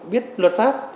biết luật pháp